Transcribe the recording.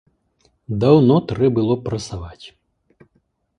Даўно трэ было прасаваць.